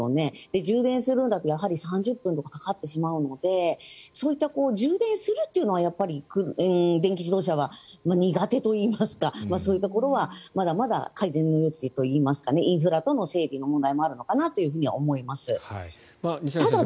充電するのだと３０分とかかかってしまうのでそういった充電するというのは電気自動車は苦手といいますかそういうところはまだまだ改善の余地といいますかインフラとの整備の問題もあるのかなとは思います。